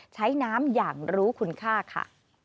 ใช้น้ำอย่างรู้คุณค่าค่ะ